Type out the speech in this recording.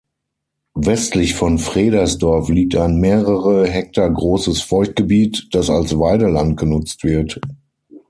Westlich von Fredersdorf liegt ein mehrere Hektar großes Feuchtgebiet, das als Weideland genutzt wird.